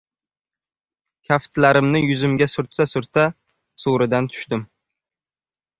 Kaftlarimni yuzimga surta-surta so‘ridan tushdim.